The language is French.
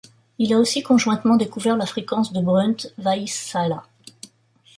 Il a aussi conjointement découvert la fréquence de Brunt-Väisälä.